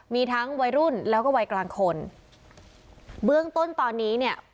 มีทั้งวัยรุ่นแล้วก็วัยกลางคนเบื้องต้นตอนนี้เนี่ย